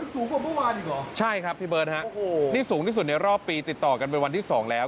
สูงกว่าเมื่อวานอีกเหรอใช่ครับพี่เบิร์ตฮะโอ้โหนี่สูงที่สุดในรอบปีติดต่อกันเป็นวันที่สองแล้ว